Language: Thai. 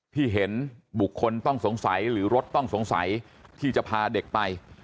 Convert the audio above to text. ที่เห็นบุคคลต้องสงสัยหรือรถต้องสงสัยที่จะพาเด็กไป